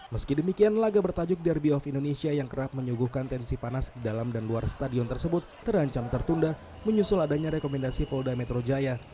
meski demikian laga bertajuk derby of indonesia yang kerap menyuguhkan tensi panas di dalam dan luar stadion tersebut terancam tertunda menyusul adanya rekomendasi polda metro jaya